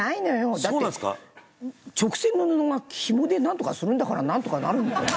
だって直線の布がひもでなんとかするんだからなんとかなる。